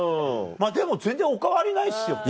でも全然お変わりないですよね。